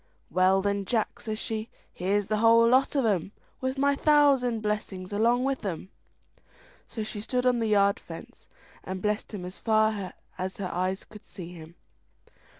"Well, then, Jack," says she, "here's the whole lot of 'em with my thousand blessings along with them." So she stood on the yard fence and blessed him as far as her eyes could see him.